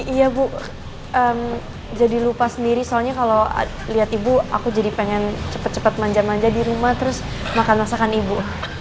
iya bu jadi lupa sendiri soalnya kalau lihat ibu aku jadi pengen cepat cepat manja manja di rumah terus makan masakan ibu